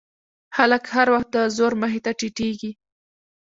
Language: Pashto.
خلک هر وخت د زور مخې ته ټیټېږي.